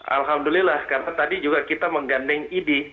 alhamdulillah karena tadi juga kita menggandeng idi